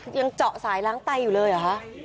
ยังเจาะสายล้างไตอยู่เลยเหรอคะ